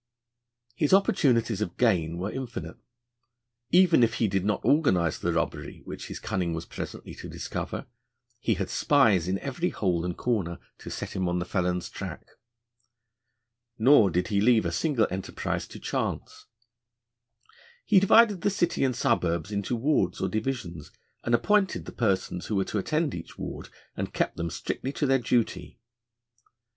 His opportunities of gain were infinite. Even if he did not organise the robbery which his cunning was presently to discover, he had spies in every hole and corner to set him on the felon's track. Nor did he leave a single enterprise to chance: 'He divided the city and suburbs into wards or divisions, and appointed the persons who were to attend each ward, and kept them strictly to their duty.'